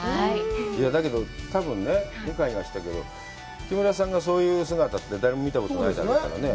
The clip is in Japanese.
だけど、多分ね、向井が言ったけど、木村さんのそういう姿って誰も見たことがないだろうからね。